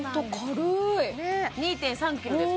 ２．３ｋｇです